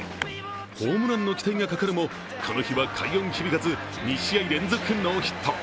ホームランの期待がかかるも、この日は快音響かず２試合連続ノーヒット。